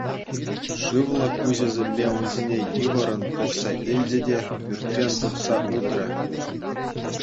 Шывлӑ куҫӗсемпе ун ҫине йывӑррӑн пӑхса илчӗ те пӱртрен тухса утрӗ.